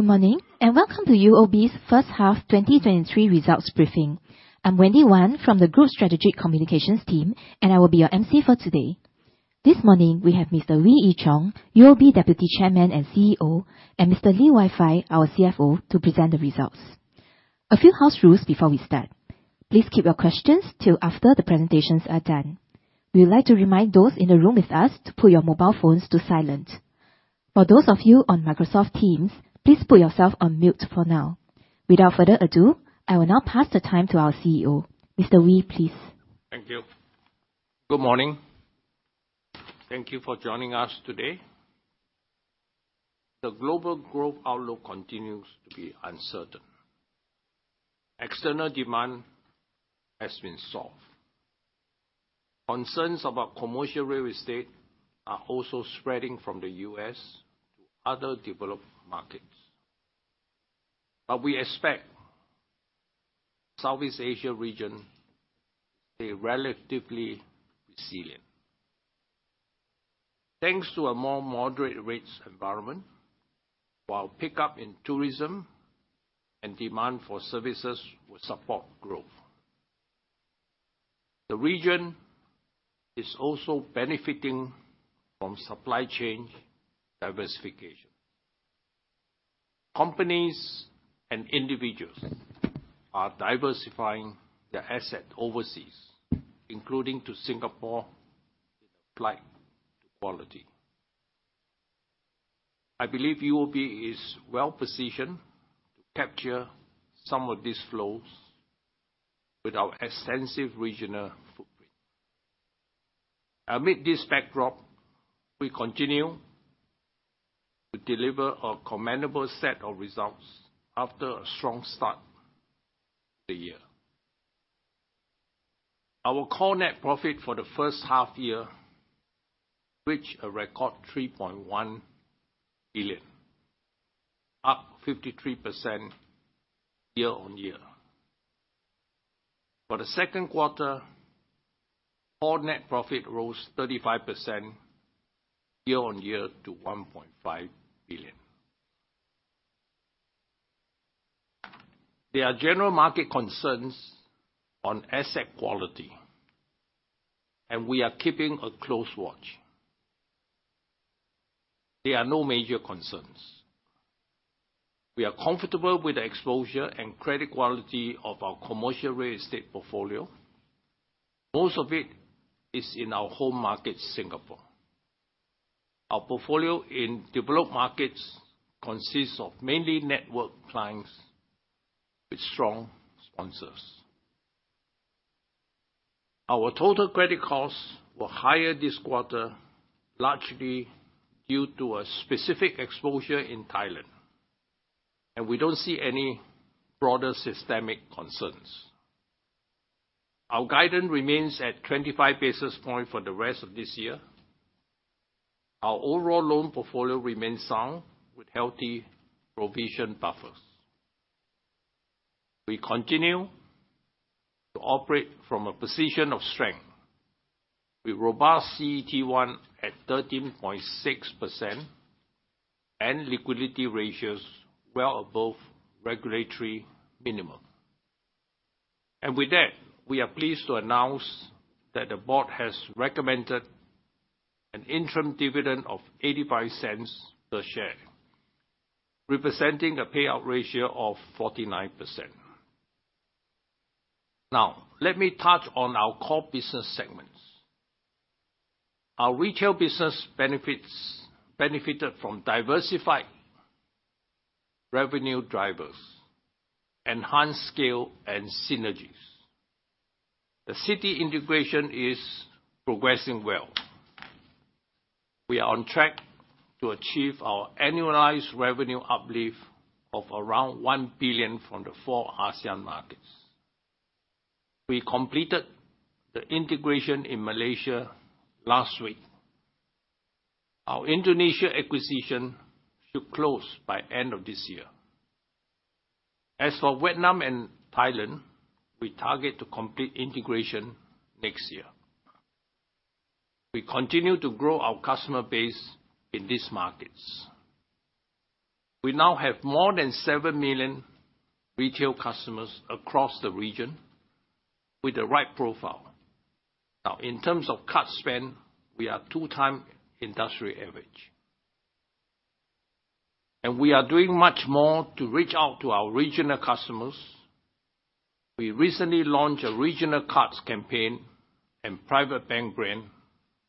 Good morning, welcome to UOB's first half 2023 results briefing. I'm Wendy Wan from the Group Strategic Communications team, and I will be your MC for today. This morning, we have Mr. Wee Ee Cheong, UOB Deputy Chairman and CEO, and Mr. Lee Wai Fai, our CFO, to present the results. A few house rules before we start. Please keep your questions till after the presentations are done. We would like to remind those in the room with us to put your mobile phones to silent. For those of you on Microsoft Teams, please put yourself on mute for now. Without further ado, I will now pass the time to our CEO. Mr. Wee, please. Thank you. Good morning. Thank you for joining us today. The global growth outlook continues to be uncertain. External demand has been soft. Concerns about commercial real estate are also spreading from the U.S. to other developed markets. We expect Southeast Asia region to be relatively resilient. Thanks to a more moderate rates environment, while pickup in tourism and demand for services will support growth. The region is also benefiting from supply chain diversification. Companies and individuals are diversifying their asset overseas, including to Singapore, in a flight to quality. I believe UOB is well-positioned to capture some of these flows with our extensive regional footprint. Amid this backdrop, we continue to deliver a commendable set of results after a strong start to the year. Our core net profit for the first half year reached a record 3.1 billion, up 53% year-on-year. For the second quarter, core net profit rose 35% year-on-year to SGD 1.5 billion. There are general market concerns on asset quality, and we are keeping a close watch. There are no major concerns. We are comfortable with the exposure and credit quality of our commercial real estate portfolio. Most of it is in our home market, Singapore. Our portfolio in developed markets consists of mainly network clients with strong sponsors. Our total credit costs were higher this quarter, largely due to a specific exposure in Thailand, and we don't see any broader systemic concerns. Our guidance remains at 25 basis point for the rest of this year. Our overall loan portfolio remains sound, with healthy provision buffers. We continue to operate from a position of strength, with robust CET1 at 13.6% and liquidity ratios well above regulatory minimum. With that, we are pleased to announce that the board has recommended an interim dividend of 0.85 per share, representing a payout ratio of 49%. Let me touch on our core business segments. Our retail business benefited from diversified revenue drivers, enhanced scale, and synergies. The Citi integration is progressing well. We are on track to achieve our annualized revenue uplift of around 1 billion from the four ASEAN markets. We completed the integration in Malaysia last week. Our Indonesia acquisition should close by end of this year. Vietnam and Thailand, we target to complete integration next year. We continue to grow our customer base in these markets. We now have more than 7 million retail customers across the region with the right profile. In terms of card spend, we are 2x industry average. We are doing much more to reach out to our regional customers. We recently launched a regional cards campaign and private bank brand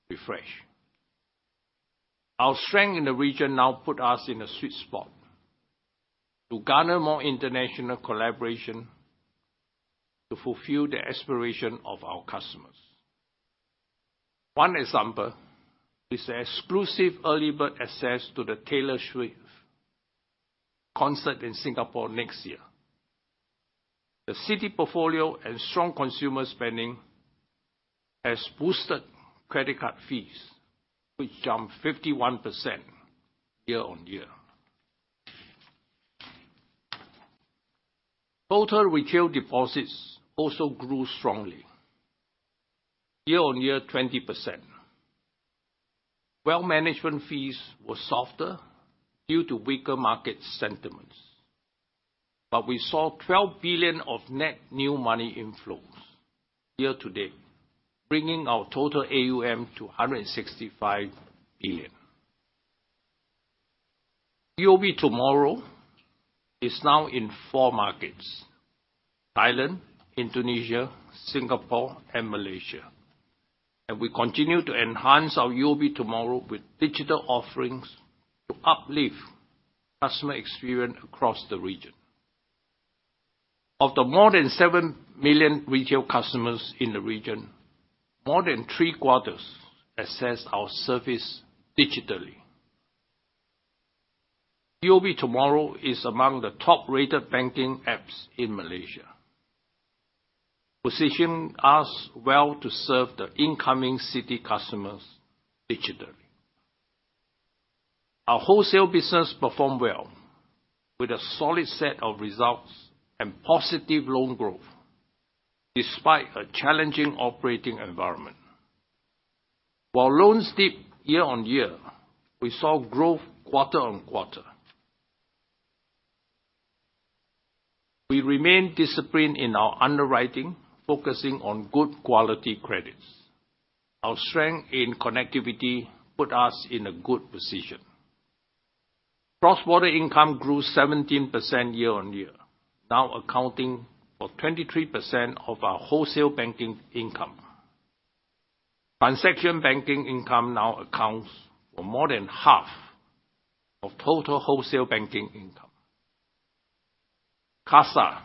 refresh. Our strength in the region now put us in a sweet spot to garner more international collaboration to fulfill the aspiration of our customers. One example is the exclusive early bird access to the Taylor Swift concert in Singapore next year. The Citi portfolio and strong consumer spending has boosted credit card fees, which jumped 51% year-on-year. Total retail deposits also grew strongly, year-on-year, 20%. Wealth management fees were softer due to weaker market sentiments. We saw 12 billion of net new money inflows year-to-date, bringing our total AUM to 165 billion. UOB TMRW is now in four markets: Thailand, Indonesia, Singapore, and Malaysia. We continue to enhance our UOB TMRW with digital offerings to uplift customer experience across the region. Of the more than 7 million retail customers in the region, more than three-quarters access our service digitally. UOB TMRW is among the top-rated banking apps in Malaysia, positioning us well to serve the incoming Citi customers digitally. Our wholesale business performed well, with a solid set of results and positive loan growth, despite a challenging operating environment. While loans dipped year-on-year, we saw growth quarter-on-quarter. We remain disciplined in our underwriting, focusing on good quality credits. Our strength in connectivity put us in a good position. Cross-border income grew 17% year-on-year, now accounting for 23% of our wholesale banking income. Transaction banking income now accounts for more than half of total wholesale banking income. CASA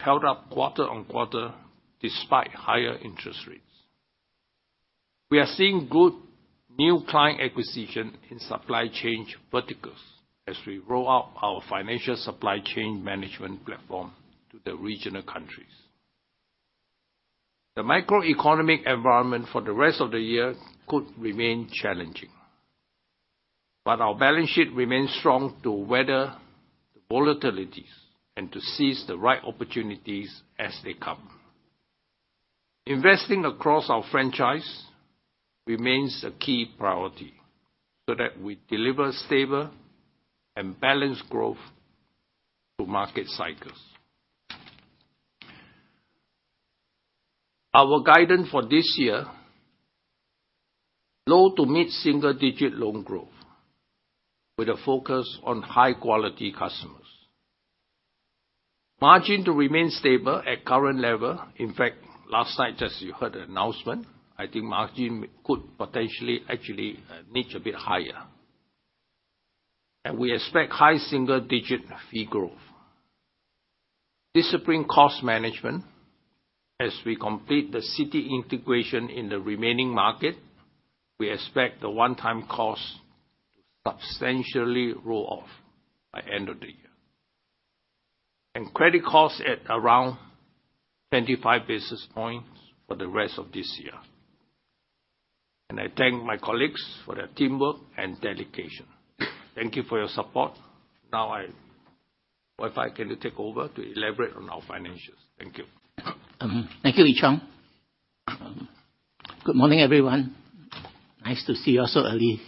held up quarter-on-quarter, despite higher interest rates. We are seeing good new client acquisition in supply chain verticals as we roll out our Financial Supply Chain Management platform to the regional countries. The microeconomic environment for the rest of the year could remain challenging, but our balance sheet remains strong to weather volatilities and to seize the right opportunities as they come. Investing across our franchise remains a key priority, so that we deliver stable and balanced growth through market cycles. Our guidance for this year, low-to-mid-single-digit loan growth, with a focus on high-quality customers. Margin to remain stable at current level. In fact, last night, as you heard the announcement, I think margin could potentially actually niche a bit higher. We expect high-single-digit fee growth. Discipline cost management. As we complete the Citi integration in the remaining market, we expect the one-time cost to substantially roll off by end of the year. Credit costs at around 25 basis points for the rest of this year. I thank my colleagues for their teamwork and dedication. Thank you for your support. Now, Wai Fai, can you take over to elaborate on our financials? Thank you. Thank you, Ee Cheong. Good morning, everyone. Nice to see you all so early.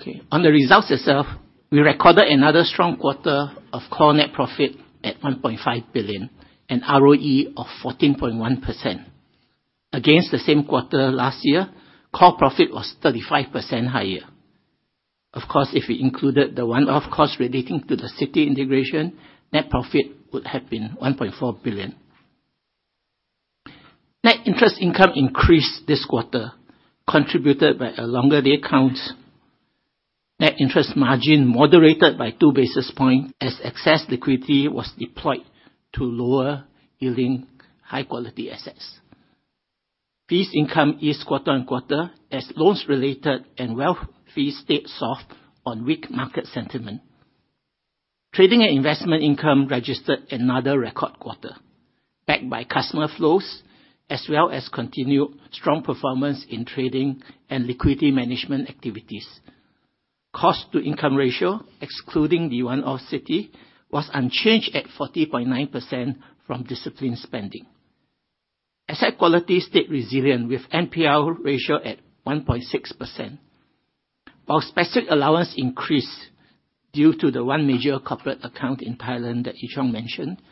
Okay. On the results itself, we recorded another strong quarter of core net profit at 1.5 billion, and ROE of 14.1%. Against the same quarter last year, core profit was 35% higher. Of course, if we included the one-off cost relating to the Citi integration, net profit would have been 1.4 billion. Net interest income increased this quarter, contributed by a longer day count. Net interest margin moderated by 2 basis points, as excess liquidity was deployed to lower-yielding, high-quality assets. Fees income is quarter-on-quarter, as loans-related and wealth fees stayed soft on weak market sentiment. Trading and investment income registered another record quarter, backed by customer flows, as well as continued strong performance in trading and liquidity management activities. Cost-to-income ratio, excluding the one-off Citi, was unchanged at 40.9% from disciplined spending. Asset quality stayed resilient, with NPL ratio at 1.6%. While specific allowance increased due to the one major corporate account in Thailand that Ee Cheong mentioned,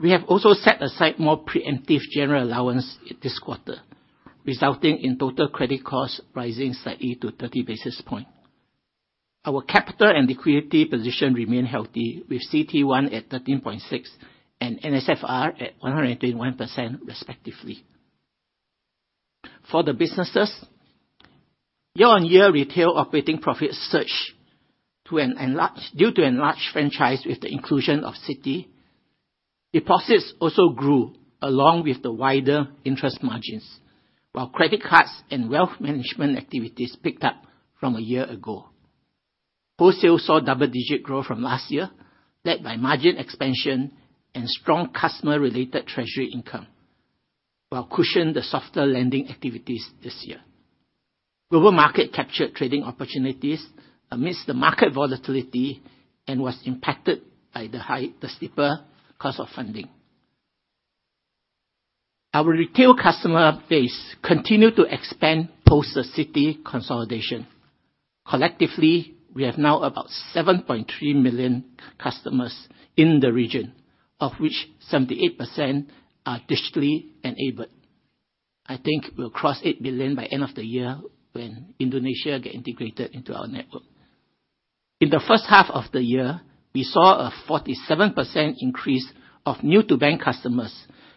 we have also set aside more preemptive general allowance this quarter, resulting in total credit costs rising slightly to 30 basis points. Our capital and liquidity position remain healthy, with CET1 at 13.6% and NSFR at 121% respectively. For the businesses, year-on-year retail operating profits surged due to enlarged franchise with the inclusion of Citi. Deposits also grew along with the wider interest margins, while credit cards and wealth management activities picked up from a year ago. Wholesale saw double-digit growth from last year, led by margin expansion and strong customer-related treasury income. while cushion the softer lending activities this year. Global market captured trading opportunities amidst the market volatility and was impacted by the steeper cost of funding. Our retail customer base continued to expand post the Citi consolidation. Collectively, we have now about 7.3 million customers in the region, of which 78% are digitally enabled. I think we'll cross 8 billion by end of the year when Indonesia get integrated into our network. In the first half of the year, we saw a 47% increase of new-to-bank customers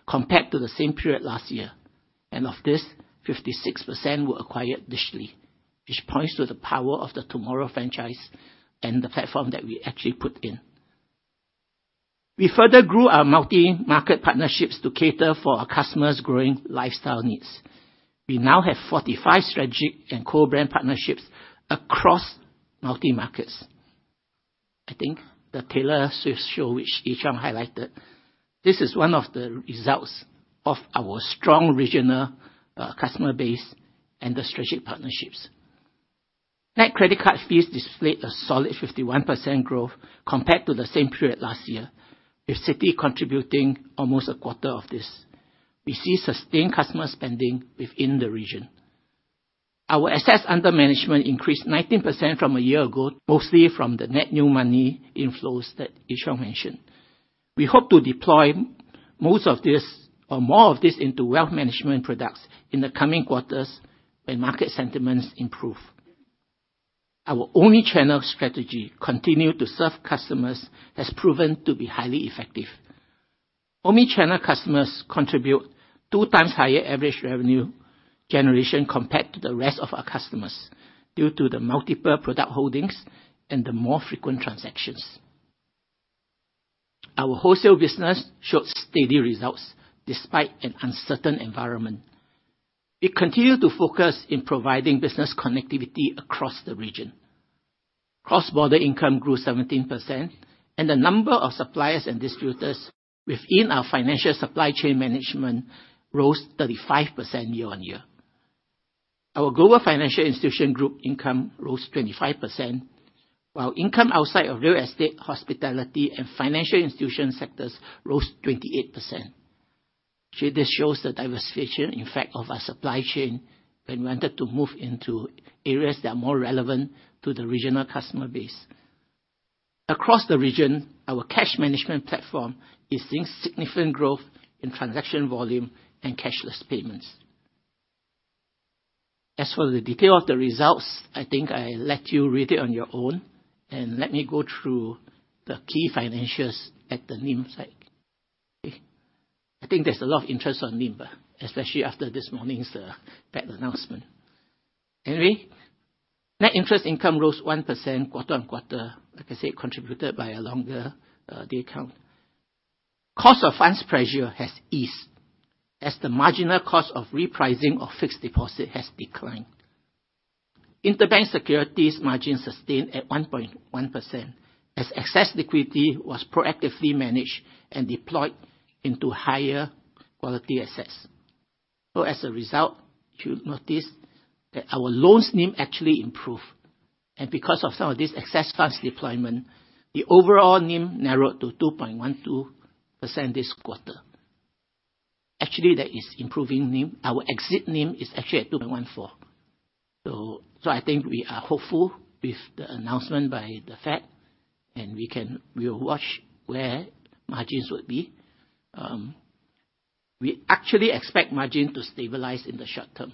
compared to the same period last year. Of this, 56% were acquired digitally, which points to the power of the UOB TMRW franchise and the platform that we actually put in. We further grew our multi-market partnerships to cater for our customers' growing lifestyle needs. We now have 45 strategic and co-brand partnerships across multi-markets. I think the Taylor Swift show, which Ee Cheong highlighted, this is one of the results of our strong regional customer base and the strategic partnerships. Net credit card fees displayed a solid 51% growth compared to the same period last year, with Citi contributing almost a quarter of this. We see sustained customer spending within the region. Our assets under management increased 19% from a year ago, mostly from the net new money inflows that Ee Cheong mentioned. We hope to deploy most of this or more of this into wealth management products in the coming quarters, when market sentiments improve. Our omni-channel strategy continue to serve customers, has proven to be highly effective. Omni-channel customers contribute 2 times higher average revenue generation compared to the rest of our customers, due to the multiple product holdings and the more frequent transactions. Our wholesale business showed steady results despite an uncertain environment. It continued to focus in providing business connectivity across the region. Cross-border income grew 17%, and the number of suppliers and distributors within our Financial Supply Chain Management rose 35% year-on-year. Our Global Financial Institutions Group income rose 25%, while income outside of real estate, hospitality, and financial institution sectors rose 28%. This shows the diversification, in fact, of our supply chain, when we wanted to move into areas that are more relevant to the regional customer base. Across the region, our cash management platform is seeing significant growth in transaction volume and cashless payments. As for the detail of the results, I think I let you read it on your own, and let me go through the key financials at the NIM side. Okay? I think there's a lot of interest on NIM, especially after this morning's Fed announcement. Net interest income rose 1% quarter-on-quarter, like I said, contributed by a longer deal account. Cost of funds pressure has eased, as the marginal cost of repricing of fixed deposit has declined. Interbank securities margin sustained at 1.1%, as excess liquidity was proactively managed and deployed into higher quality assets. As a result, you'll notice that our loans NIM actually improved, and because of some of this excess funds deployment, the overall NIM narrowed to 2.12% this quarter. Actually, that is improving NIM. Our exit NIM is actually at 2.14%. I think we are hopeful with the announcement by the Fed, we will watch where margins would be. We actually expect margin to stabilize in the short term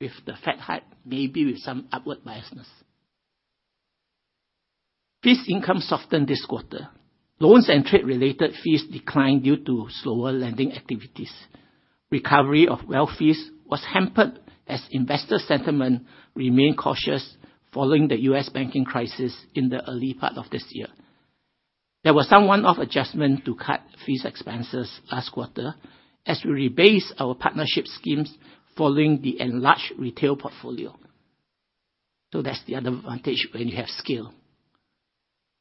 with the Fed hike, maybe with some upward biasness. Fee income softened this quarter. Loans and trade-related fees declined due to slower lending activities. Recovery of wealth fees was hampered as investor sentiment remained cautious following the U.S. banking crisis in the early part of this year. There was some one-off adjustment to cut fees expenses last quarter, as we rebased our partnership schemes following the enlarged retail portfolio. That's the other advantage when you have scale.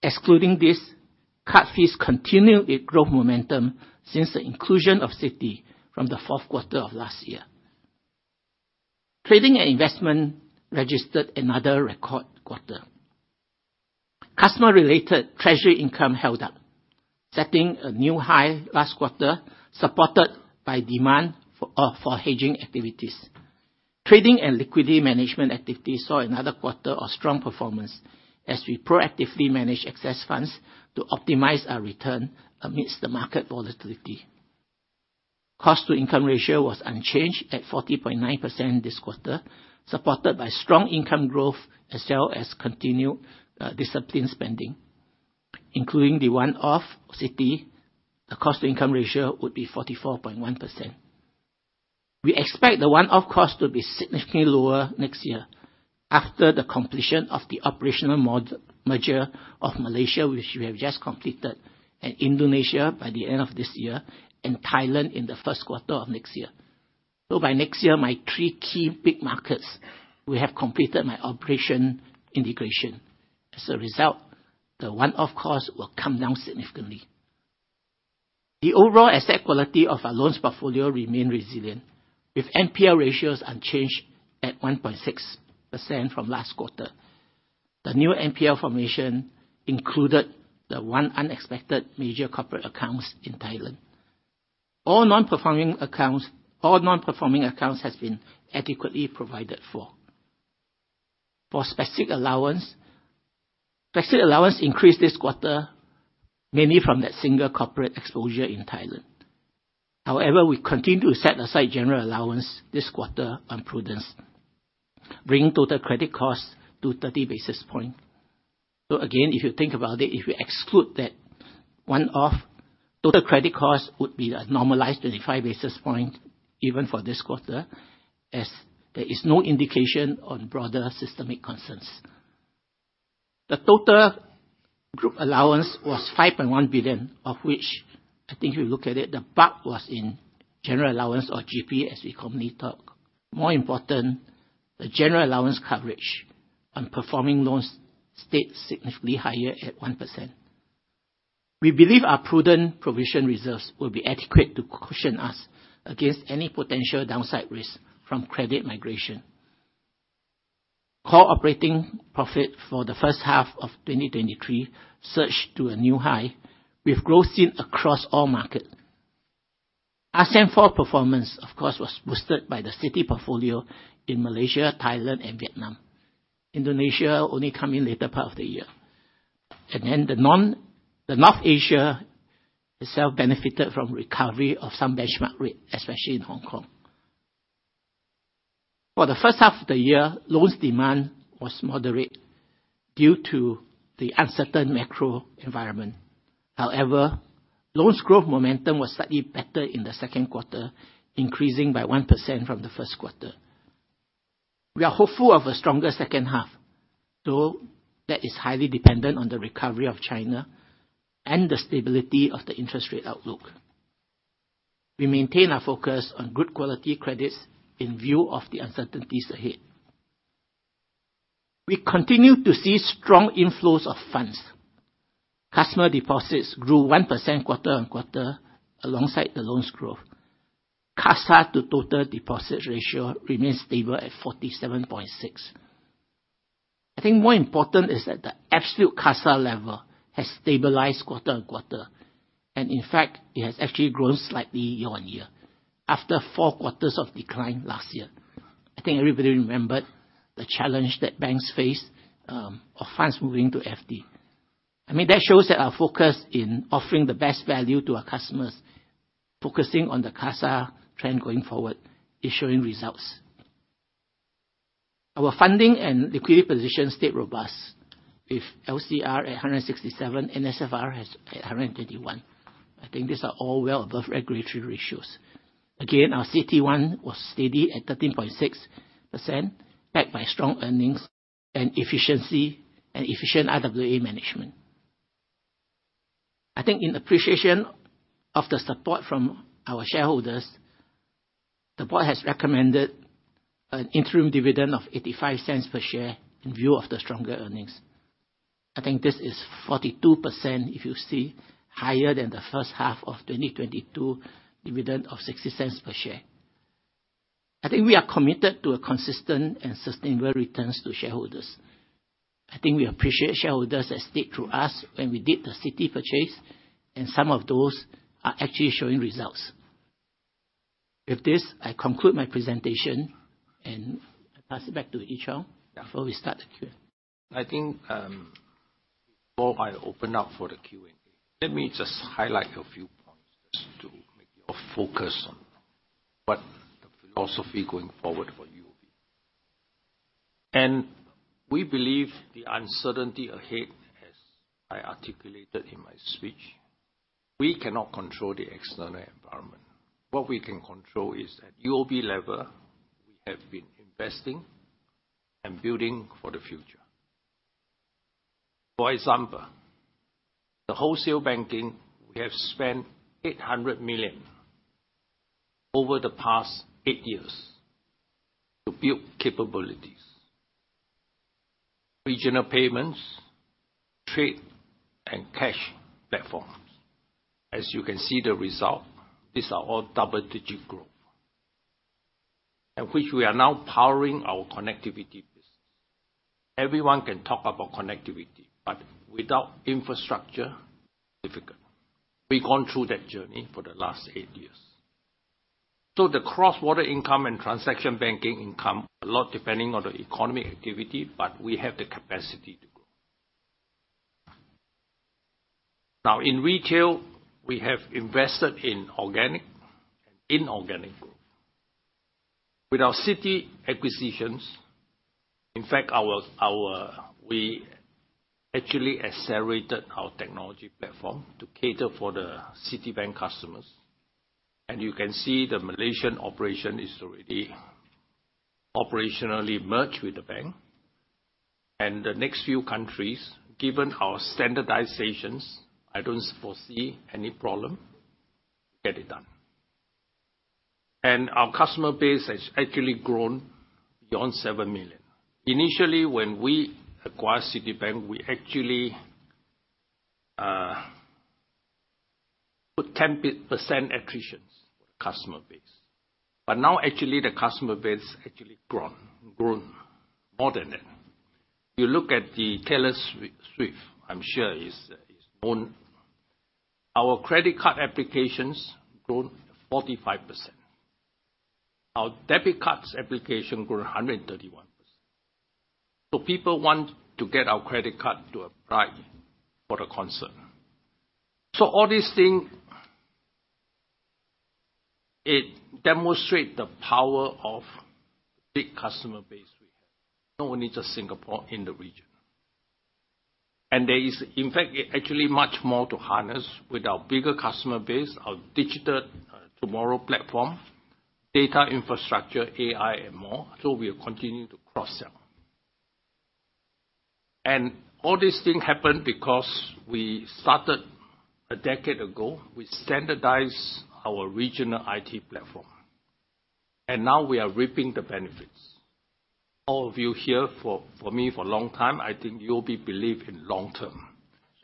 Excluding this, cut fees continue with growth momentum since the inclusion of Citi from the fourth quarter of last year. Trading and investment registered another record quarter. Customer-related treasury income held up, setting a new high last quarter, supported by demand for hedging activities. Trading and liquidity management activities saw another quarter of strong performance, as we proactively managed excess funds to optimize our return amidst the market volatility. cost-to-income ratio was unchanged at 40.9% this quarter, supported by strong income growth, as well as continued disciplined spending. Including the one-off Citi, the cost-to-income ratio would be 44.1%. We expect the one-off cost to be significantly lower next year after the completion of the operational merger of Malaysia, which we have just completed, and Indonesia by the end of this year, and Thailand in the first quarter of next year. By next year, my three key big markets will have completed my operation integration. As a result the one-off cost will come down significantly. The overall asset quality of our loans portfolio remain resilient, with NPL ratios unchanged at 1.6% from last quarter. The new NPL formation included the one unexpected major corporate accounts in Thailand. All non-performing accounts has been adequately provided for. Specific allowance increased this quarter, mainly from that single corporate exposure in Thailand. However, we continue to set aside general allowance this quarter on prudence, bringing total credit costs to 30 basis points. Again, if you think about it, if you exclude that one-off, total credit cost would be a normalized 25 basis points, even for this quarter, as there is no indication on broader systemic concerns. The total group allowance was 5.1 billion, of which I think if you look at it, the bulk was in general allowance or GP, as we commonly talk. More important, the general allowance coverage on performing loans stayed significantly higher at 1%. We believe our prudent provision reserves will be adequate to cushion us against any potential downside risk from credit migration. Core operating profit for the first half of 2023 surged to a new high, with growth seen across all market. ASEAN 4 performance, of course, was boosted by the Citi portfolio in Malaysia, Thailand, and Vietnam. Indonesia only come in later part of the year. The North Asia itself benefited from recovery of some benchmark rate, especially in Hong Kong. For the first half of the year, loans demand was moderate due to the uncertain macro environment. However, loans growth momentum was slightly better in the second quarter, increasing by 1% from the first quarter. We are hopeful of a stronger second half, though that is highly dependent on the recovery of China and the stability of the interest rate outlook. We maintain our focus on good quality credits in view of the uncertainties ahead. We continue to see strong inflows of funds. Customer deposits grew 1% quarter-on-quarter, alongside the loans growth. CASA to total deposit ratio remains stable at 47.6. I think more important is that the absolute CASA level has stabilized quarter-on-quarter, and in fact, it has actually grown slightly year-on-year, after four quarters of decline last year. I think everybody remembered the challenge that banks faced, of funds moving to FD. I mean, that shows that our focus in offering the best value to our customers, focusing on the CASA trend going forward, is showing results. Our funding and liquidity position stayed robust, with LCR at 167, NSFR has at 121. I think these are all well above regulatory ratios. Our CET1 was steady at 13.6%, backed by strong earnings and efficiency, and efficient RWA management. I think in appreciation of the support from our shareholders, the board has recommended an interim dividend of 0.85 per share in view of the stronger earnings. I think this is 42%, if you see, higher than the first half of 2022 dividend of 0.60 per share. I think we are committed to a consistent and sustainable returns to shareholders. I think we appreciate shareholders that stick to us when we did the Citi purchase, some of those are actually showing results. With this, I conclude my presentation, and I pass it back to Ee Cheong before we start the Q&A. I think, before I open up for the Q&A, let me just highlight a few points just to make your focus on what the philosophy going forward for UOB. We believe the uncertainty ahead, as I articulated in my speech, we cannot control the external environment. What we can control is at UOB level, we have been investing and building for the future. For example, the wholesale banking, we have spent $800 million over the past eight years to build capabilities, regional payments, trade, and cash platforms. As you can see the result, these are all double-digit growth, which we are now powering our connectivity business. Everyone can talk about connectivity, without infrastructure, difficult. We've gone through that journey for the last eight years. The cross-border income and transaction banking income, a lot depending on the economic activity, but we have the capacity to grow. Now, in retail, we have invested in organic and inorganic growth. With our Citi acquisitions, in fact, we actually accelerated our technology platform to cater for the Citibank customers. You can see the Malaysian operation is already operationally merged with the bank. The next few countries, given our standardizations, I don't foresee any problem, get it done. Our customer base has actually grown beyond 7 million. Initially, when we acquired Citibank, we actually put 10% attritions customer base. Now, actually, the customer base actually grown more than that. You look at the Taylor Swift, I'm sure is known. Our credit card applications grown 45%. Our debit cards application grew 131%. People want to get our credit card to apply for the concert. All these things, it demonstrate the power of big customer base. We have not only just Singapore, in the region. There is, in fact, actually much more to harness with our bigger customer base, our digital tomorrow platform, data infrastructure, AI, and more, so we are continuing to cross-sell. All these things happened because we started a decade ago. We standardized our regional IT platform, and now we are reaping the benefits. All of you here for me, for a long time, I think you'll be believe in long term.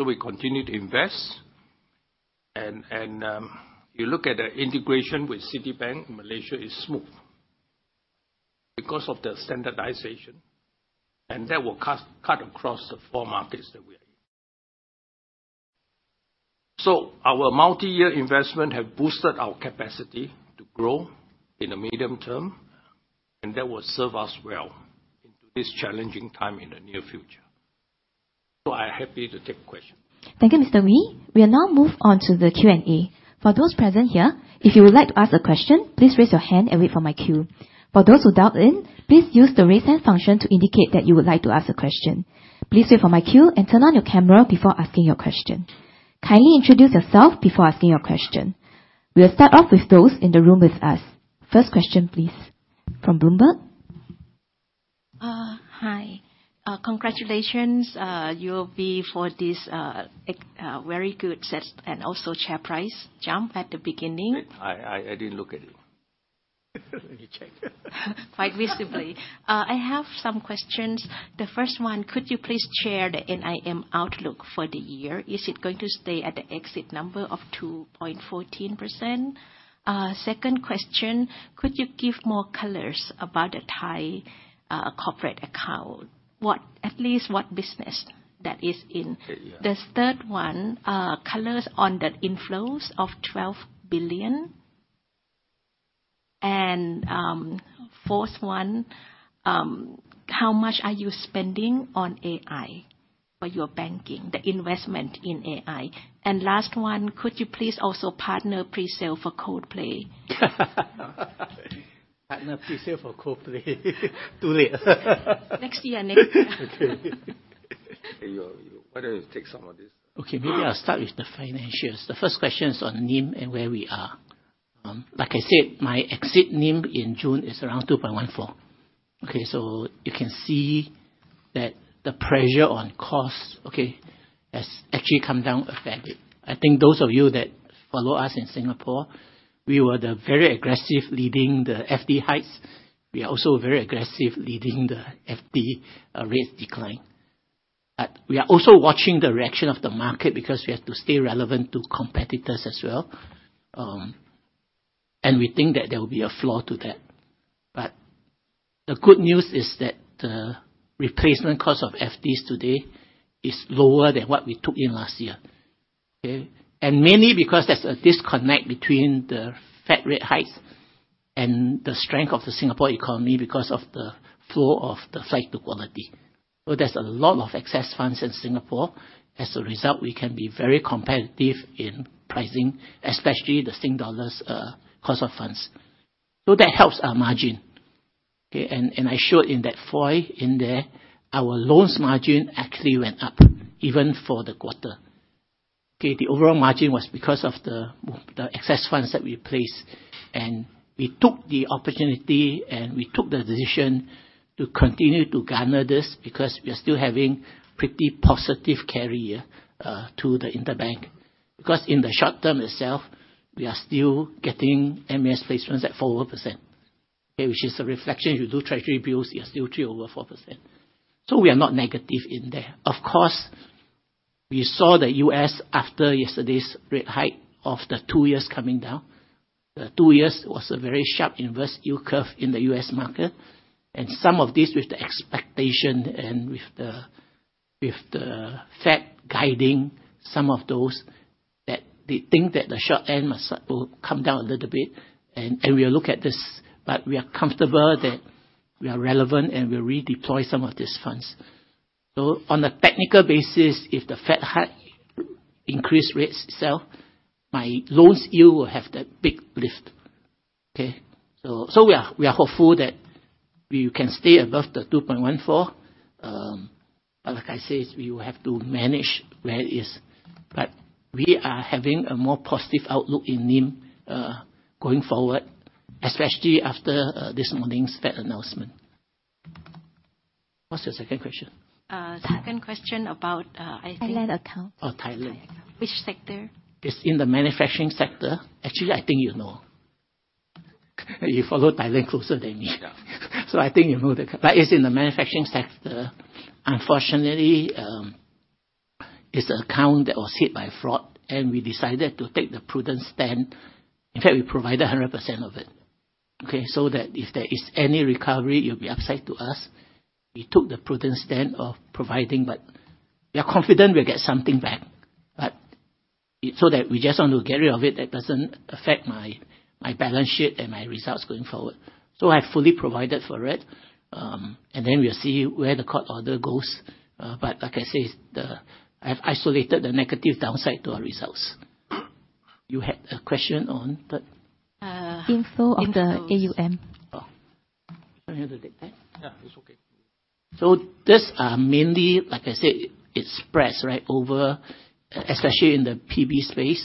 We continue to invest. You look at the integration with Citibank Malaysia is smooth because of the standardization, and that will cut across the four markets that we are in. Our multi-year investment have boosted our capacity to grow in the medium term, and that will serve us well in this challenging time in the near future. I'm happy to take a question. Thank you, Mr. Wee. We are now move on to the Q&A. For those present here, if you would like to ask a question, please raise your hand and wait for my cue. For those who dial in, please use the Raise Hand function to indicate that you would like to ask a question. Please wait for my cue and turn on your camera before asking your question. Kindly introduce yourself before asking your question. We'll start off with those in the room with us. First question, please, from Bloomberg. Hi. Congratulations, UOB, for this very good set and also share price jump at the beginning. I didn't look at it. Let me check. Quite visibly. I have some questions. The first one, could you please share the NIM outlook for the year? Is it going to stay at the exit number of 2.14%? Second question, could you give more colors about the Thai corporate account? At least what business that is in? Yeah. The third one, colors on the inflows of 12 billion. Fourth one, how much are you spending on AI for your banking, the investment in AI? Last one, could you please also partner pre-sale for Coldplay? Partner pre-sale for Coldplay. Too late. Next year, maybe. Okay. Why don't you take some of this? Maybe I'll start with the financials. The first question is on NIM and where we are. Like I said, my exit NIM in June is around 2.14%. You can see that the pressure on costs, okay, has actually come down a fair bit. I think those of you that follow us in Singapore, we were the very aggressive leading the FD hikes. We are also very aggressive leading the FD rate decline. We are also watching the reaction of the market because we have to stay relevant to competitors as well, and we think that there will be a floor to that. The good news is that the replacement cost of FDs today is lower than what we took in last year, okay? Mainly because there's a disconnect between the Fed rate hikes and the strength of the Singapore economy because of the flow of the flight to quality. There's a lot of excess funds in Singapore. As a result, we can be very competitive in pricing, especially the Sing dollars cost of funds. That helps our margin, okay? I showed in that foil in there, our loans margin actually went up, even for the quarter. The overall margin was because of the excess funds that we placed, and we took the opportunity and we took the decision to continue to garner this because we are still having pretty positive carry to the interbank. In the short term itself, we are still getting MAS placements at 4%, okay? Which is a reflection, if you do Treasury bills, you're still 3/4%. We are not negative in there. Of course, we saw the U.S. after yesterday's rate hike of the two years coming down. The two years was a very sharp inverse yield curve in the U.S. market, and some of this with the expectation and with the Fed guiding some of those, that they think that the short end will come down a little bit, and we'll look at this. We are comfortable that we are relevant, and we'll redeploy some of these funds. On a technical basis, if the Fed increased rates itself, my loans yield will have that big lift, okay? We are hopeful that we can stay above the 2.14. Like I said, we will have to manage where it is. We are having a more positive outlook in NIM, going forward, especially after this morning's Fed announcement. What's your second question? Second question about. Thailand account. Oh, Thailand. Thailand. Which sector? It's in the manufacturing sector. Actually, I think you know. You follow Thailand closer than me. I think you know. It's in the manufacturing sector. Unfortunately, it's an account that was hit by fraud, and we decided to take the prudent stand. In fact, we provided 100% of it, okay? That if there is any recovery, it will be upside to us. We took the prudent stand of providing, but we are confident we'll get something back. That we just want to get rid of it, that doesn't affect my balance sheet and my results going forward. I've fully provided for it, then we'll see where the court order goes. Like I say, I've isolated the negative downside to our results. You had a question on the- Inflow of the AUM. Oh, you want me to take that? Yeah, it's okay. This, mainly, like I said, it spreads, right, over, especially in the PB space.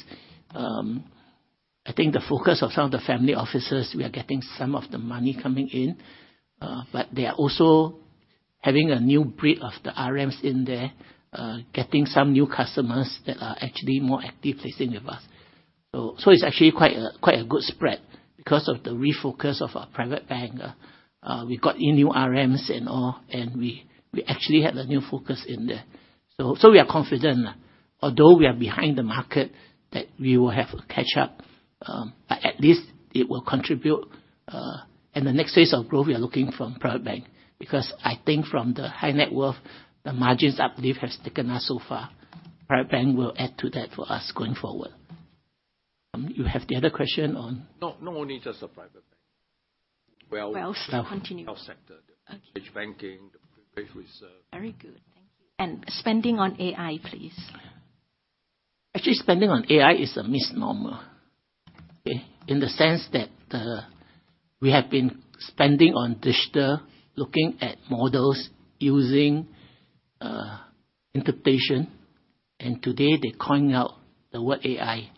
I think the focus of some of the family offices, we are getting some of the money coming in, they are also having a new breed of the RMs in there, getting some new customers that are actually more active, placing with us. It's actually quite a, quite a good spread because of the refocus of our private bank. We got in new RMs and all, we actually had a new focus in there. We are confident, although we are behind the market, that we will have a catch-up, at least it will contribute in the next phase of growth we are looking from private bank. I think from the high net worth, the margins, I believe, has taken us so far. Private bank will add to that for us going forward. You have the other question on? Not only just the private bank. Wealth. Continue. Wealth sector. Okay. Privilege Banking, the Privilege Reserve. Very good. Thank you. Spending on AI, please. Actually, spending on AI is a misnomer, okay? In the sense that, we have been spending on digital, looking at models, using interpretation, and today they're calling out the word AI.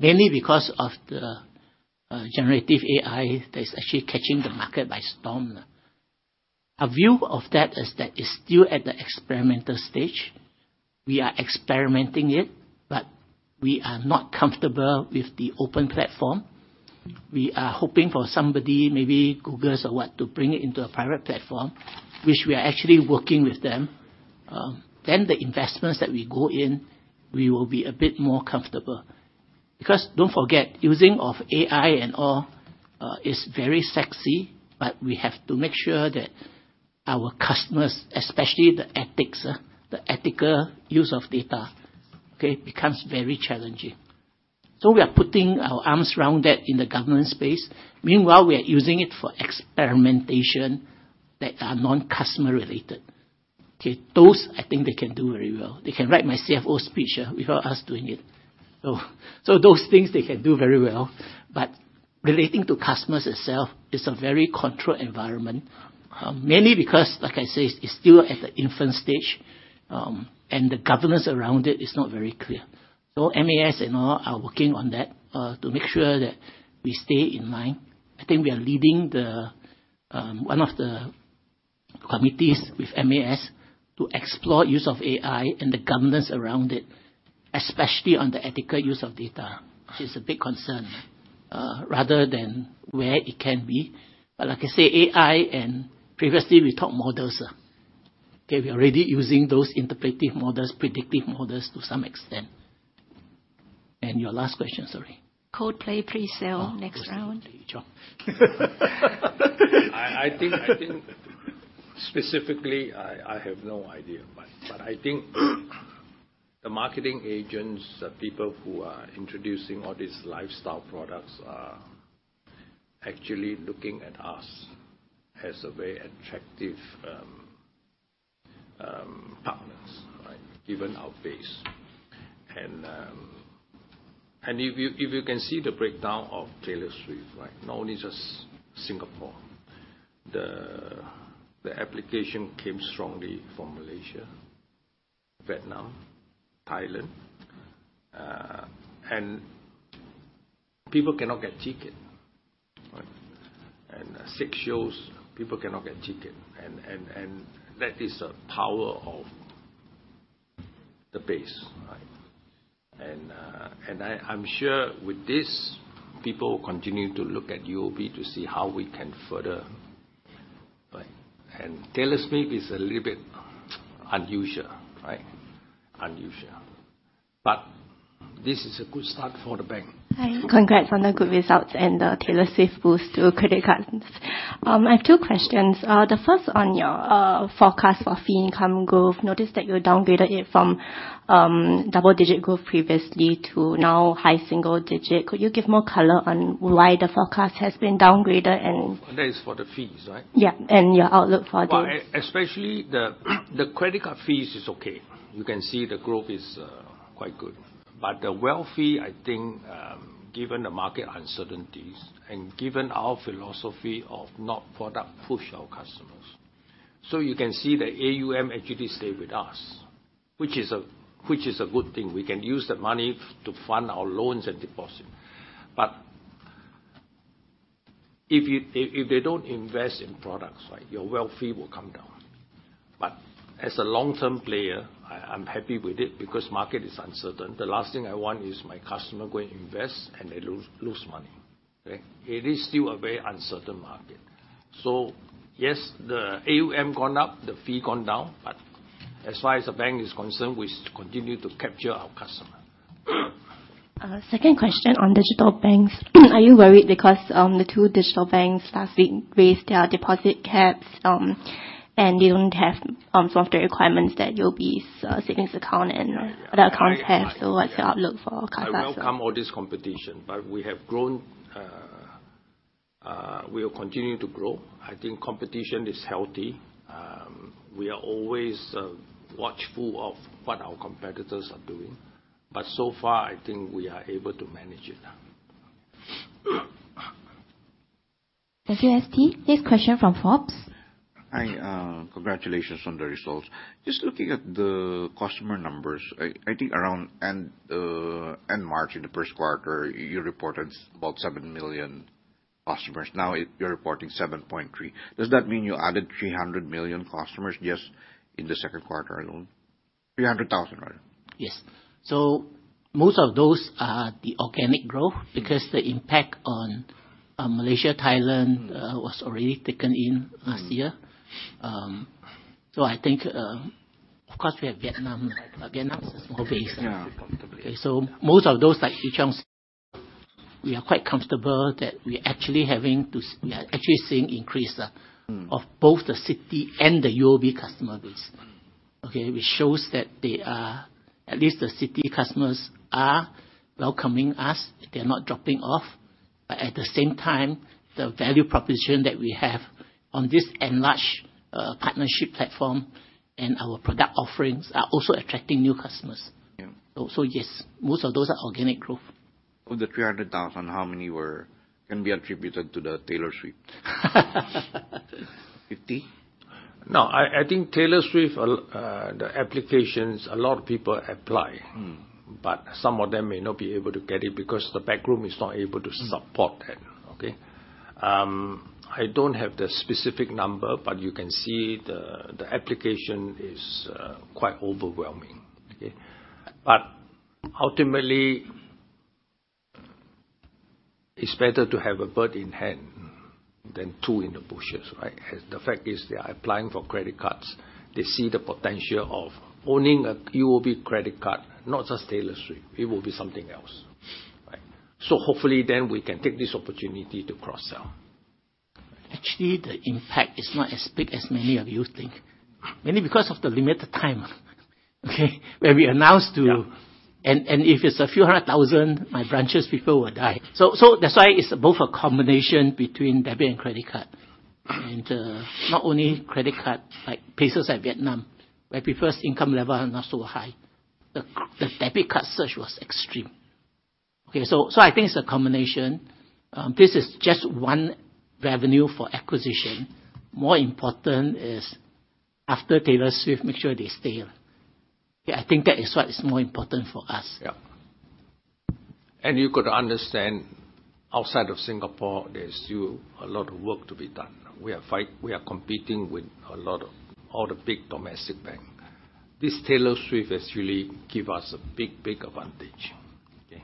Mainly because of the generative AI that is actually catching the market by storm. Our view of that is that it's still at the experimental stage. We are experimenting it, but we are not comfortable with the open platform. We are hoping for somebody, maybe Google or what, to bring it into a private platform, which we are actually working with them. The investments that we go in, we will be a bit more comfortable. Don't forget, using of AI and all, is very sexy, but we have to make sure that our customers, especially the ethics, the ethical use of data, okay, becomes very challenging. We are putting our arms around that in the government space. Meanwhile, we are using it for experimentation that are non-customer related. Okay? Those, I think they can do very well. They can write my CFO speech without us doing it. Those things they can do very well, but relating to customers itself is a very controlled environment, mainly because, like I said, it's still at the infant stage, and the governance around it is not very clear. MAS and all are working on that to make sure that we stay in line. I think we are leading the one of the committees with MAS to explore use of AI and the governance around it, especially on the ethical use of data. It's a big concern rather than where it can be. Like I say, AI and previously, we talked models, okay? We're already using those interpretive models, predictive models to some extent. Your last question, sorry. Coldplay presale, next round. Good job. I think specifically, I have no idea. I think the marketing agents, the people who are introducing all these lifestyle products, are actually looking at us as a very attractive partners, right? Given our base. If you can see the breakdown of Taylor Swift, right, not only just Singapore. The application came strongly from Malaysia, Vietnam, Thailand, people cannot get ticket, right? Six shows, people cannot get ticket. That is a power of the base, right? I'm sure with this, people will continue to look at UOB to see how we can further... Right? Taylor Swift is a little bit unusual, right? Unusual. This is a good start for the bank. Hi. Congrats on the good results and the Taylor Swift boost to credit cards. I have two questions. The first on your forecast for fee income growth. Notice that you downgraded it from double-digit growth previously to now high single-digit. Could you give more color on why the forecast has been downgraded. Oh, that is for the fees, right? Yeah, your outlook for the fees. Well, especially the credit card fees is okay. You can see the growth is quite good. The wealth fee, I think, given the market uncertainties and given our philosophy of not product push our customers, so you can see the AUM actually stay with us, which is a good thing. We can use the money to fund our loans and deposit. If they don't invest in products, right, your wealth fee will come down. As a long-term player, I'm happy with it because market is uncertain. The last thing I want is my customer going invest and they lose money, okay? It is still a very uncertain market. Yes, the AUM gone up, the fee gone down, but as far as the bank is concerned, we continue to capture our customer. Second question on digital banks. Are you worried because the two digital banks have been raised their deposit caps, and they don't have some of the requirements that UOB's savings account and other accounts have? What's your outlook for UOB? I welcome all this competition. We have grown, we will continue to grow. I think competition is healthy. We are always watchful of what our competitors are doing. So far, I think we are able to manage it. Thank you, ST. Next question from Forbes. Hi, congratulations on the results. Just looking at the customer numbers, I think around end March, in the first quarter, you reported about 7 million customers. Now, you're reporting 7.3 million. Does that mean you added 300 million customers just in the second quarter alone? 300,000, rather. Yes. most of those are the organic growth- Mm.... because the impact on, Malaysia, Thailand- Mm.... was already taken in last year. Mm. I think, Of course, we have Vietnam. Vietnam is small base. Yeah, comfortably. Most of those, like Ee Cheong, we are quite comfortable that we are actually seeing increase of- Mm.... both the Citi and the UOB customer base. Mm. Okay? Which shows that they are, at least the Citi customers, are welcoming us. They're not dropping off. At the same time, the value proposition that we have on this enlarged partnership platform and our product offerings are also attracting new customers. Yeah. Yes, most of those are organic growth. Of the 300,000, how many can be attributed to the Taylor Swift? 50? I think Taylor Swift, the applications, a lot of people apply. Mm. Some of them may not be able to get it because the back room is not able to support that, okay. Mm. I don't have the specific number, but you can see the application is quite overwhelming. Ultimately, it's better to have a bird in hand- Mm.... than two in the bushes, right? The fact is, they are applying for credit cards. They see the potential of owning a UOB credit card, not just Taylor Swift, it will be something else, right? Hopefully then, we can take this opportunity to cross-sell. Actually, the impact is not as big as many of you think, mainly because of the limited time, okay? Yeah. If it's a few hundred thousand, my branches people will die. That's why it's both a combination between debit and credit card. Not only credit card, like places like Vietnam, where people's income level are not so high, the debit card search was extreme. I think it's a combination. This is just one revenue for acquisition. More important is, after Taylor Swift, make sure they stay. I think that is what is more important for us. Yeah. You got to understand, outside of Singapore, there's still a lot of work to be done. We are competing with a lot of, all the big domestic bank. This Taylor Swift has really give us a big, big advantage, okay?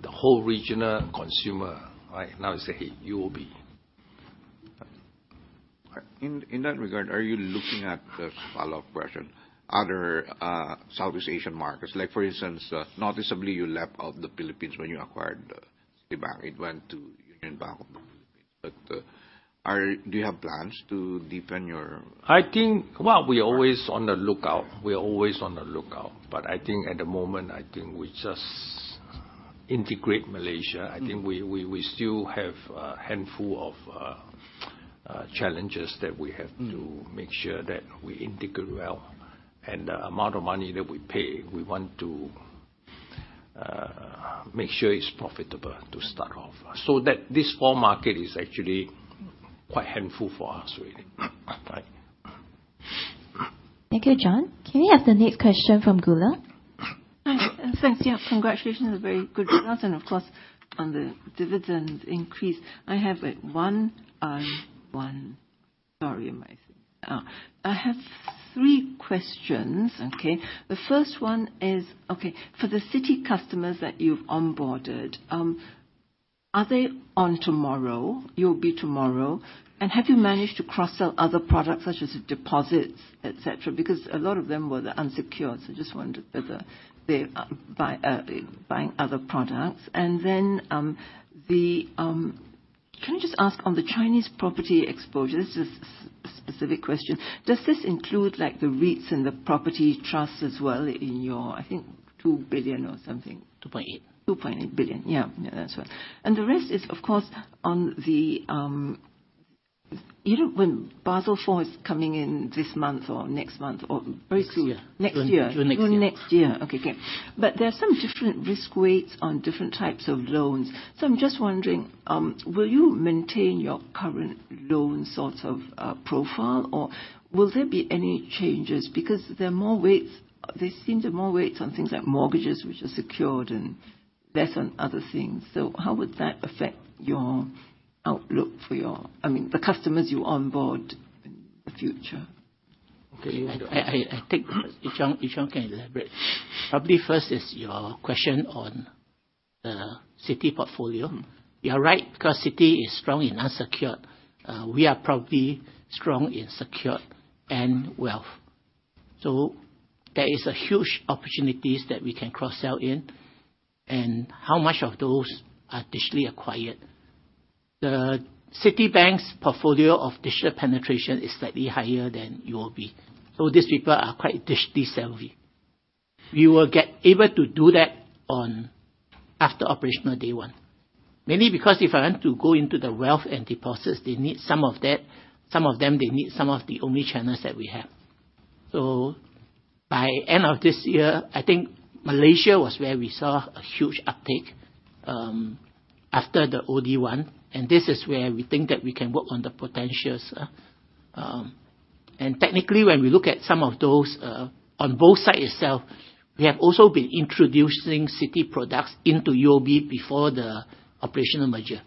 The whole regional consumer, right, now they say, "Hey, UOB. In that regard, are you looking at the, follow-up question, other Southeast Asian markets? Like, for instance, noticeably, you left out the Philippines when you acquired the bank. It went to Union Bank of the Philippines. Do you have plans to deepen your- I think. Well, we are always on the lookout. I think at the moment, I think we just integrate Malaysia. Mm. I think we still have a handful of challenges. Mm. To make sure that we integrate well. The amount of money that we pay, we want to make sure it's profitable to start off. This four market is actually quite handful for us already. Right. Thank you, John. Can we have the next question from Goola? Hi, thanks. Yeah, congratulations on the very good results and of course, on the dividend increase. I have three questions, okay. The first one is, okay, for the Citi customers that you've onboarded, are they on tomorrow, UOB TMRW? Have you managed to cross-sell other products, such as deposits, et cetera? Because a lot of them were the unsecured, so just wondered whether they're buying other products. Then, can I just ask on the Chinese property exposure, this is specific question: Does this include, like, the REITs and the property trusts as well in your, I think, 2 billion or something? 2.8. 2.8 billion. Yeah, that's right. The rest is, of course, on the, you know, when Basel IV is coming in this month or next month or very soon. Next year. Next year. Through next year. Through next year. Okay, great. There are some different risk weights on different types of loans. I'm just wondering, will you maintain your current loan sorts of profile, or will there be any changes? Because there seem to more weights on things like mortgages, which are secured, and less on other things. How would that affect your outlook for I mean, the customers you onboard? Future? Okay, I think Ee Cheong can elaborate. Probably first is your question on the Citi portfolio. You are right, because Citi is strong in unsecured. We are probably strong in secured and wealth. There is a huge opportunities that we can cross-sell in, and how much of those are digitally acquired? The Citibank's portfolio of digital penetration is slightly higher than UOB, so these people are quite digitally savvy. We will get able to do that on after operational Day 1. Mainly because if I want to go into the wealth and deposits, they need some of them, they need some of the only channels that we have. By end of this year, I think Malaysia was where we saw a huge uptake after the Day 1. This is where we think that we can work on the potentials. Technically, when we look at some of those on both sides itself, we have also been introducing Citi products into UOB before the operational merger.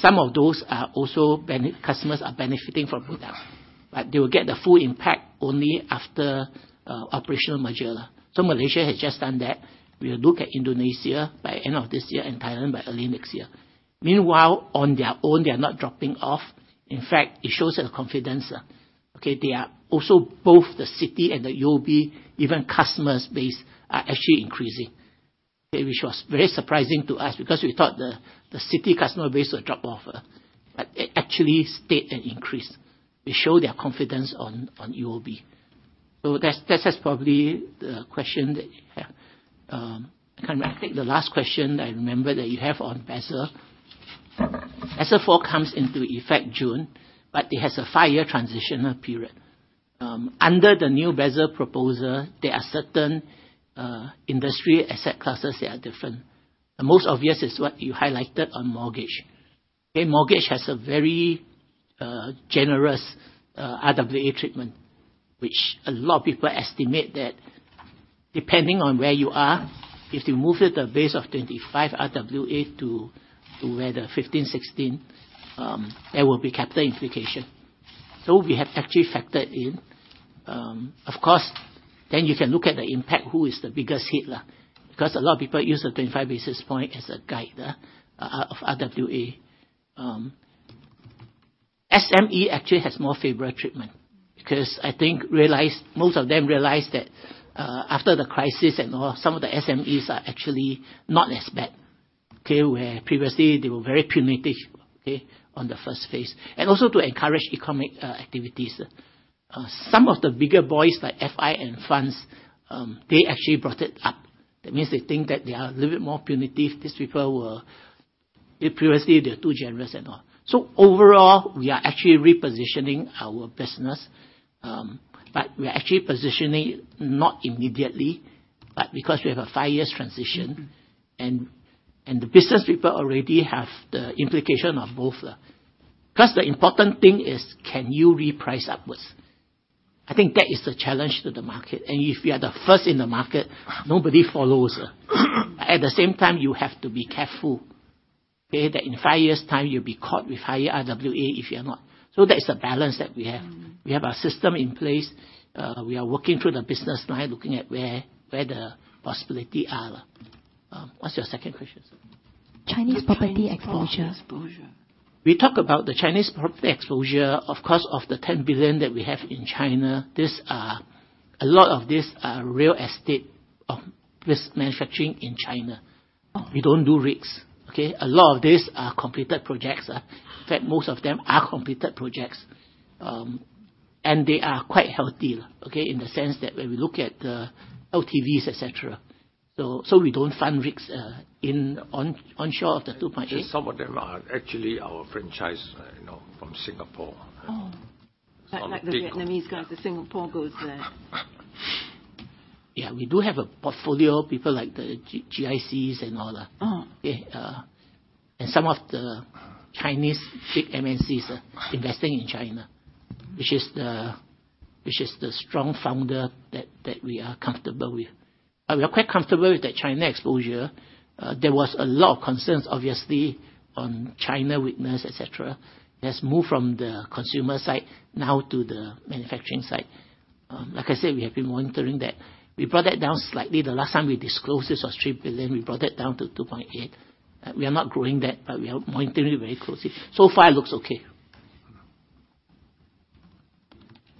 Some of those are also customers are benefiting from them. But they will get the full impact only after operational merger. Malaysia has just done that. We will look at Indonesia by end of this year and Thailand by early next year. Meanwhile, on their own, they are not dropping off. In fact, it shows their confidence. They are also, both the Citi and the UOB, even customers base are actually increasing. Was very surprising to us, because we thought the Citi customer base would drop off, but it actually stayed and increased. They show their confidence on UOB. That is probably the question that you have. I can repeat the last question I remember that you have on Basel. Basel IV comes into effect June, but it has a five-year transitional period. Under the new Basel proposal, there are certain industry asset classes that are different. The most obvious is what you highlighted on mortgage. Okay, mortgage has a very generous RWA treatment, which a lot of people estimate that depending on where you are, if you move it the base of 25 RWA to where the 15, 16, there will be capital implication. We have actually factored in. Of course, you can look at the impact, who is the biggest hitter, because a lot of people use a 25 basis points as a guide of RWA. SME actually has more favorable treatment, because I think most of them realize that after the crisis and all, some of the SMEs are actually not as bad, okay? Where previously they were very punitive, okay, on the first phase, and also to encourage economic activities. Some of the bigger boys, like FI and Funds, they actually brought it up. That means they think that they are a little bit more punitive. Previously, they were too generous and all. Overall, we are actually repositioning our business, but we are actually positioning not immediately, but because we have a five years transition, and the business people already have the implication of both. Plus, the important thing is, can you reprice upwards? I think that is the challenge to the market, and if you are the first in the market, nobody follows. At the same time, you have to be careful, okay, that in five years' time, you'll be caught with higher RWA if you are not. That is a balance that we have. Mm-hmm. We have a system in place. We are working through the business line, looking at where the possibility are. What's your second question? Chinese property exposure. We talk about the Chinese property exposure, of course, of the 10 billion that we have in China, these are, a lot of these are real estate with manufacturing in China. We don't do risks, okay? A lot of these are completed projects. In fact, most of them are completed projects, and they are quite healthy, okay? In the sense that when we look at the LTVs, et cetera, so we don't fund risks, onshore of the 2.8. Some of them are actually our franchise, you know, from Singapore. Oh. So like- Like the Vietnamese guys, the Singapore goes there. Yeah, we do have a portfolio, people like the GICs and all that. Oh. Some of the Chinese big MNCs investing in China, which is the strong founder that we are comfortable with. We are quite comfortable with the China exposure. There was a lot of concerns, obviously, on China weakness, et cetera, that's moved from the consumer side now to the manufacturing side. Like I said, we have been monitoring that. We brought that down slightly. The last time we disclosed this was 3 billion, we brought that down to 2.8 billion. We are not growing that, but we are monitoring it very closely. So far, it looks okay.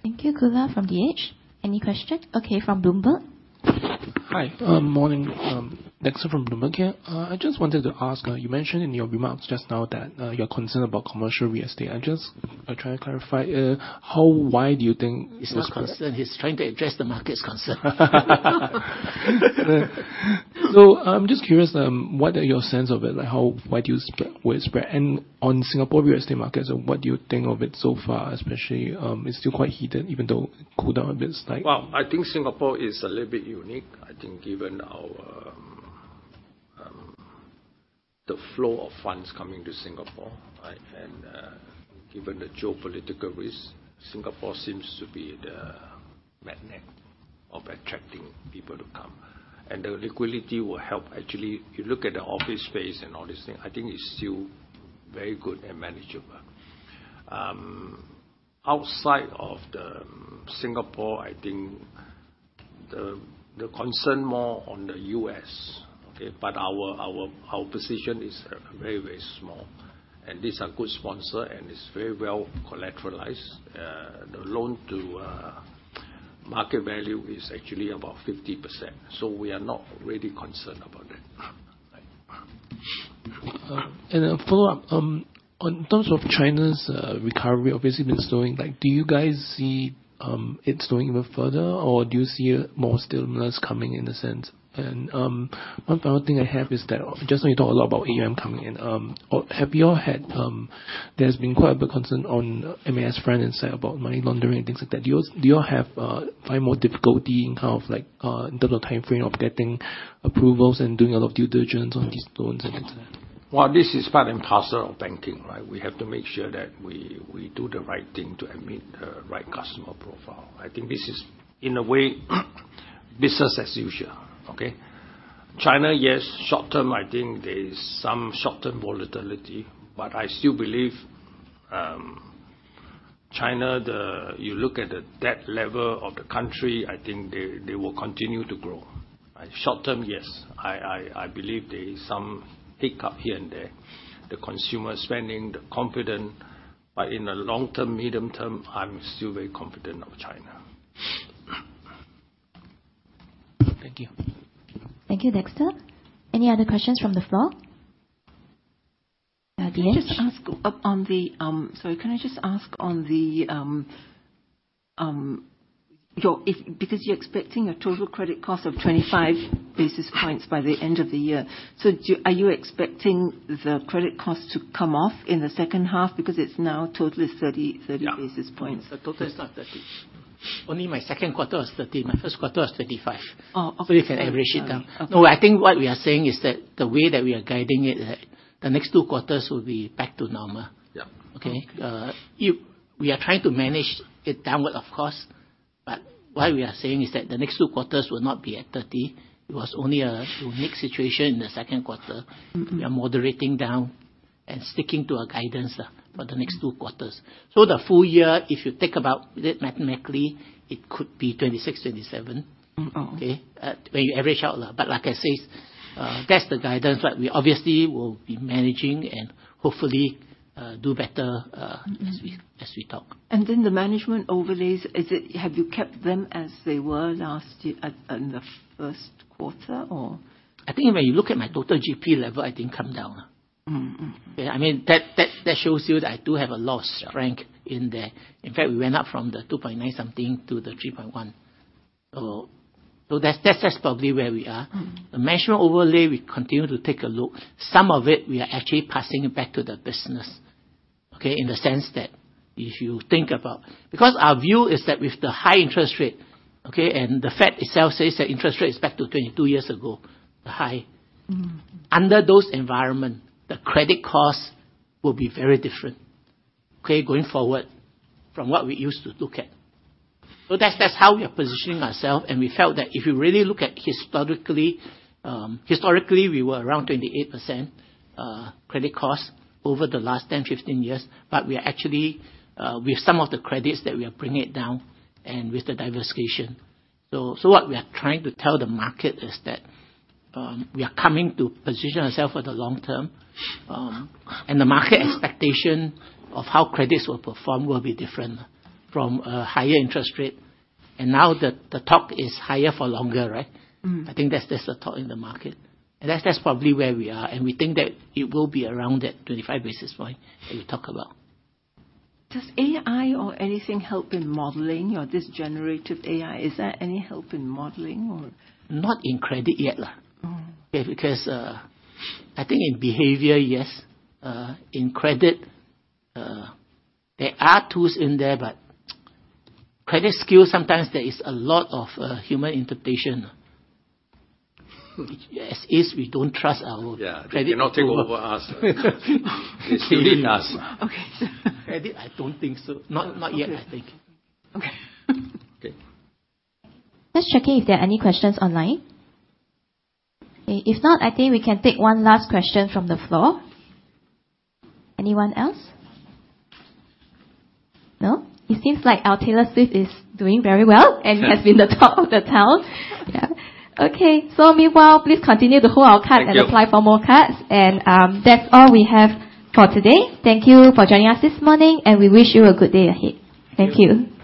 Thank you. Goola from DH, any question? Okay, from Bloomberg. Hi. Morning. Dexter from Bloomberg here. I just wanted to ask, you mentioned in your remarks just now that you're concerned about commercial real estate. I try to clarify how wide do you think- He's not concerned, he's trying to address the market's concern. I'm just curious, what are your sense of it? How, why do you wide spread? On Singapore real estate markets, what do you think of it so far? Especially, it's still quite heated, even though cooled down a bit slight. Well, I think Singapore is a little bit unique. I think given our, the flow of funds coming to Singapore, right. Given the geopolitical Singapore seems to be the magnet of attracting people to come, and the liquidity will help. Actually, if you look at the office space and all these things, I think it's still very good and manageable. Outside of the Singapore, I think the concern more on the U.S., okay. Our, our position is very, very small, and these are good sponsor, and it's very well collateralized. The loan to, market value is actually about 50%, so we are not really concerned about that. A follow-up. On terms of China's recovery, obviously been slowing, like, do you guys see it slowing even further, or do you see more stimulus coming in a sense? One final thing I have is that just so you talk a lot about AUM coming in. There's been quite a bit of concern on MAS front and site about money laundering and things like that. Do you all have find more difficulty in kind of like, in terms of timeframe of getting approvals and doing a lot of due diligence on these loans and things like that? Well, this is part and parcel of banking, right? We have to make sure that we do the right thing to admit the right customer profile. I think this is, in a way, business as usual, okay? China, yes, short term, I think there is some short-term volatility. I still believe China, you look at the debt level of the country, I think they will continue to grow. Short term, yes, I believe there is some hiccup here and there, the consumer spending, the confident. In the long term, medium term, I'm still very confident of China. Thank you. Thank you, Dexter. Any other questions from the floor? Diane. Sorry, can I just ask on the, if because you're expecting a total credit cost of 25 basis points by the end of the year. Are you expecting the credit cost to come off in the second half? It's now totally 30 basis points. Yeah. Mm-hmm, the total is not 30. Only my second quarter was 30, my first quarter was 35. Oh, okay. You can average it down. Okay. No, I think what we are saying is that the way that we are guiding it, the next two quarters will be back to normal. Yeah. Okay? If we are trying to manage it downward, of course, what we are saying is that the next two quarters will not be at 30. It was only a unique situation in the second quarter. Mm-hmm. We are moderating down and sticking to our guidance, for the next two quarters. The full year, if you think about it mathematically, it could be 26, 27. Mm-hmm. Okay? When you average out. Like I said, that's the guidance, but we obviously will be managing and hopefully, do better. Mm-hmm. As we talk. The management overlays, have you kept them as they were last year, in the first quarter, or? I think when you look at my total GP level, I think come down. Mm-hmm. Mm-hmm. Yeah, I mean, that shows you that I do have a lot of strength in there. In fact, we went up from the 2.9 something to the 3.1. That's probably where we are. Mm-hmm. The management overlay, we continue to take a look. Some of it, we are actually passing it back to the business, okay? In the sense that if you think about. Because our view is that with the high interest rate, okay, and the Fed itself says that interest rate is back to 22 years ago, the high. Mm-hmm. Under those environment, the credit costs will be very different, okay, going forward from what we used to look at. That's how we are positioning ourselves, and we felt that if you really look at historically, we were around 28% credit costs over the last 10, 15 years, but we are actually with some of the credits that we are bringing it down and with the diversification. So what we are trying to tell the market is that we are coming to position ourselves for the long term, and the market expectation- Mm-hmm.... of how credits will perform will be different from a higher interest rate. Now the talk is higher for longer, right? Mm-hmm. I think that's the talk in the market. That's, that's probably where we are, and we think that it will be around that 25 basis point that we talk about. Does AI or anything help in modeling or this generative AI? Is there any help in modeling or? Not in credit yet. Mm-hmm. Yeah, because, I think in behavior, yes. In credit, there are tools in there, but credit risk sometimes there is a lot of human interpretation. As is, we don't trust our- Yeah.... credit score. They cannot take over us. They need us. Okay. Credit, I don't think so. Not yet. Okay. I think. Okay. Okay. Just checking if there are any questions online? If not, I think we can take one last question from the floor. Anyone else? No. It seems like our Taylor Swift is doing very well. And has been the talk of the town. Yeah. Okay. Meanwhile, please continue to hold our card- Thank you.... and apply for more cards. That's all we have for today. Thank you for joining us this morning, and we wish you a good day ahead. Thank you.